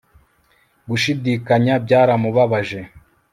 Gushidikanya byaramubabaje